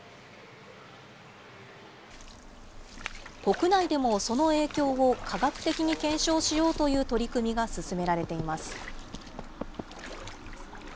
国内でもその影響を科学的に検証しようという取り組みが進められています。